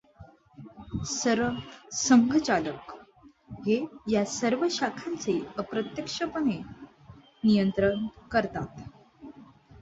सरसंघचालक हे या सर्व शाखांचे अप्रत्यक्षपणे नियंत्रण करतात.